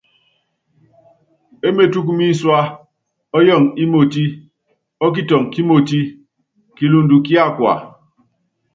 E metúkú mínsúá, ɔ́yɔɔŋɔ ímotí, ɔ́kitɔŋɔ kímotí, kilundɔ́ kíákaaka.